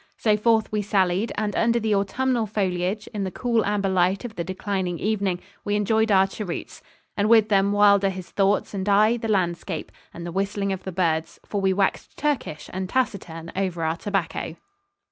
So forth we sallied, and under the autumnal foliage, in the cool amber light of the declining evening, we enjoyed our cheroots; and with them, Wylder his thoughts; and I, the landscape, and the whistling of the birds; for we waxed Turkish and taciturn over our tobacco.